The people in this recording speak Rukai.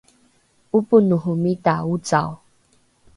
’oponohomita ocao